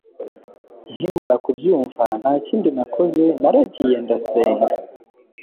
nkimara kubyumva ntakindi nakoze naragiye ndasenga